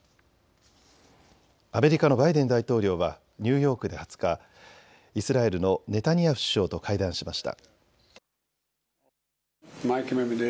アメリカのバイデン大統領はニューヨークで２０日、イスラエルのネタニヤフ首相と会談しました。